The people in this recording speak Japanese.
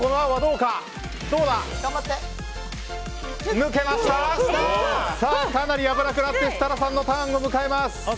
かなり危なくなって設楽さんのターンを迎えます。